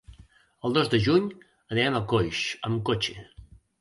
El dos de juny anirem a Coix amb cotxe.